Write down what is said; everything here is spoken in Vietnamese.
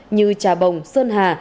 như trà bồng sơn hà